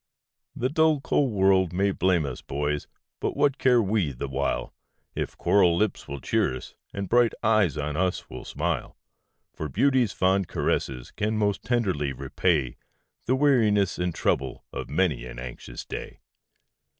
The dull, cold world may blame us, boys! but what care we the while, If coral lips will cheer us, and bright eyes on us smile? For beauty's fond caresses can most tenderly repay The weariness and trouble of many an anxious day.